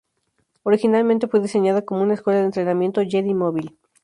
Originalmente fue diseñada como una escuela de entrenamiento Jedi móvil.